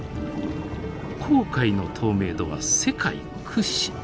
紅海の透明度は世界屈指。